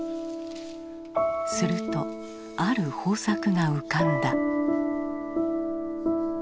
するとある方策が浮かんだ。